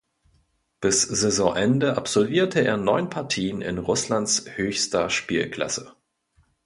Bis Saisonende absolvierte er neun Partien in Russlands höchster Spielklasse.